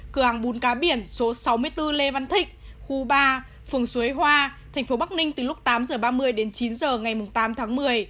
cửa hàng bún cá biển số sáu mươi bốn lê văn thịnh khu ba phường xuối hoa thành phố bắc ninh từ lúc tám h ba mươi đến chín h ngày tám tháng một mươi